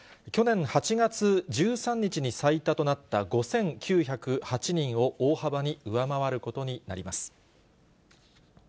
去年８月１３日に最多となった５９０８人を大幅に上回ることになります。